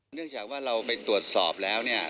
เนื่องจากว่าเราไปตรวจสอบแล้วเนี่ย